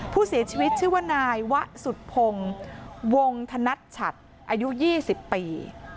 ผู้เสียชีวิตชื่อว่านายวะสุดพงศ์วงธนัชชัดอายุ๒๐ปี